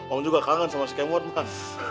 om juga kangen sama si kemot mah